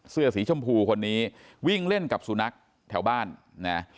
เสื้อสีชมพูคนนี้วิ่งเล่นกับสุนัขแถวบ้านนะ